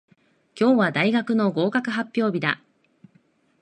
今日は大学の合格発表日だ。